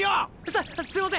すすいません！